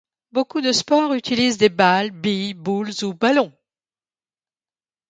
Beaucoup de sports utilisent des balles, billes, boules ou ballons.